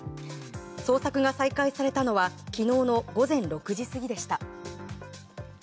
捜索が再開されたのは昨日の午前６時過ぎでした。